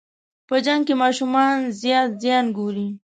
په جنګ کې ماشومان زیات زیان ګوري.